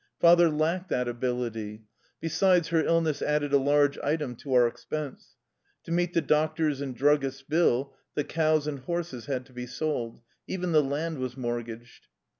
Father lacked that ability. Besides, her illness added a large item to our expense. To meet the doctor's and druggist's bills, the cows and horses had to be sold. Even the land was mort gaged.